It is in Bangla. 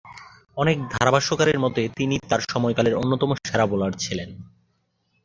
অনেক ধারাভাষ্যকারের মতে, তিনি তার সময়কালের অন্যতম সেরা বোলার ছিলেন।